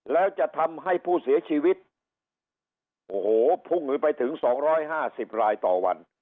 แล้วจะทำให้ผู้เสียชีวิตโอ้โหพุ่งหรือไปถึง๒๕๐รายต่อวัน